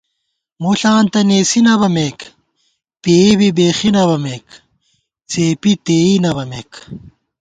مُݪاں تہ نېسی نہ بَمېک، پېئی بی بېخی نہ بَمېک، څېپی تېئی نہ بَمېک